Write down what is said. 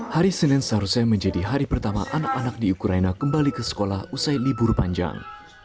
hari senin seharusnya menjadi hari pertama anak anak di ukraina kembali ke sekolah usai libur panjang